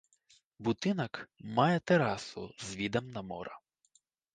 Будынак мае тэрасу з відам на мора.